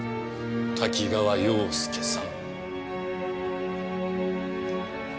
多岐川洋介さん。